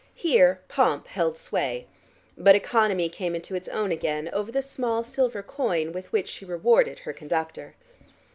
Here pomp held sway, but economy came into its own again over the small silver coin with which she rewarded her conductor.